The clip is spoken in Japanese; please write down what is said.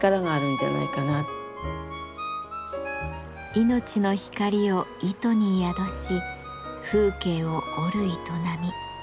いのちの光を糸に宿し風景を織る営み。